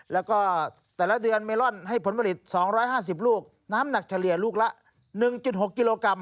แล้วก็แต่ละเดือนเมลอนให้ผลผลิต๒๕๐ลูกน้ำหนักเฉลี่ยลูกละ๑๖กิโลกรัม